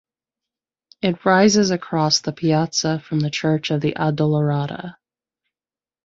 It rises across the piazza from the church of the Addolorata.